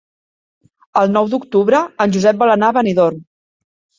El nou d'octubre en Josep vol anar a Benidorm.